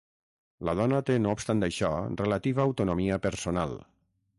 La dona té no obstant això relativa autonomia personal.